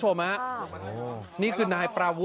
สวยสวยสวยสวยสวยสวย